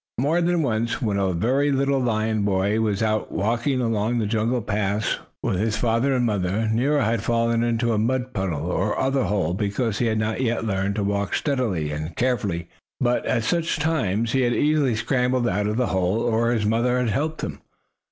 More than once, when a very little lion boy and out walking along the jungle paths with his father and mother, Nero had fallen into a mud puddle or other hole, because he had not yet learned to walk steadily and carefully. But at such times he had easily scrambled out of the hole, or his mother had helped him.